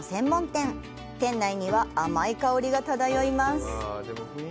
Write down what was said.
店内には甘い香りが漂います。